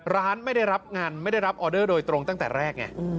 ร้านไม่ได้รับงานไม่ได้รับออเดอร์โดยตรงตั้งแต่แรกไง